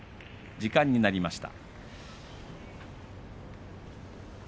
時間になりました。